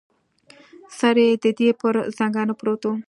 سر یې د دې پر زنګانه پروت و.